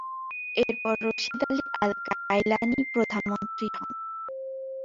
এরপর Rashid Ali al-Kailani প্রধানমন্ত্রী হন।